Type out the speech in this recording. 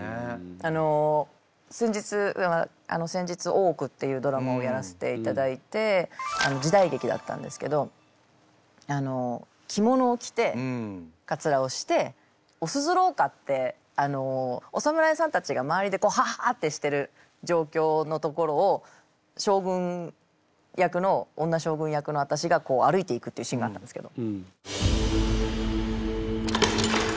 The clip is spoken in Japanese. あの先日あの先日「大奥」っていうドラマをやらせていただいて時代劇だったんですけど着物を着てかつらをしておすずろうかってあのお侍さんたちが周りでこう「ははあ！」ってしてる状況のところを将軍役の女将軍役の私が歩いていくっていうシーンがあったんですけど。